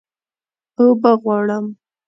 اوبه غواړم